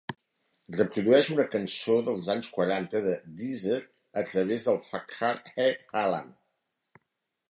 Reprodueix una cançó dels anys quaranta de Deezer a través de Fakhar-e-alam.